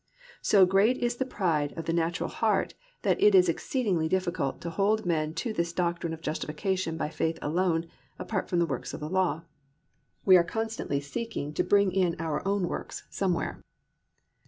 So great is the pride of the natural heart that it is exceedingly difficult to hold men to this doctrine of justification by faith alone apart from works of law. We are constantly seeking to bring in our works somewhere.